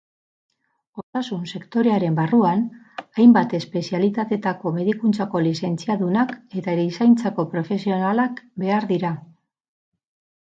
Osasun-sektorearen barruan, hainbat espezialitatetako medikuntzako lizentziadunak eta erizaintzako profesionalak behar dira.